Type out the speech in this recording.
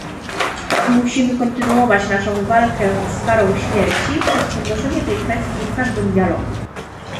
Musimy kontynuować naszą walkę z karą śmierci przez podnoszenie tej kwestii w każdym dialogu